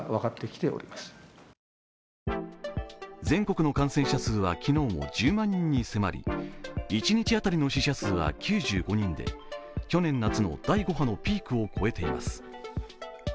全国の感染者数は昨日も１０万人に迫り一日当たりの死者数は９５人で去年夏の第５波のピークを超えています。